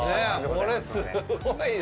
これすごいよ。